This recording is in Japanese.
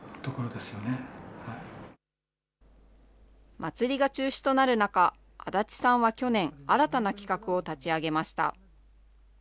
祭りが中止となる中、安達さんは去年、新たな企画を立ち上げました。